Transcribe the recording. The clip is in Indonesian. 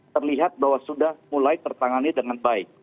terlihat bahwa sudah mulai tertangani dengan baik